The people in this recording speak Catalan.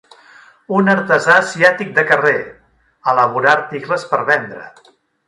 Un artesà asiàtic de carrer elaborar articles per vendre.